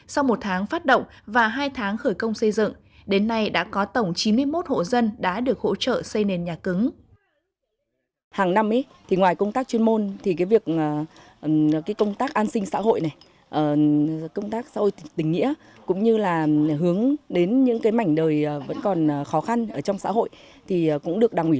sau một tháng phát động và hai tháng khởi công xây dựng đến nay đã có tổng chín mươi một hộ dân đã được hỗ trợ xây nền nhà cứng